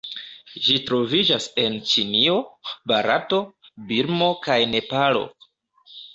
Ĝi troviĝas en Ĉinio, Barato, Birmo kaj Nepalo.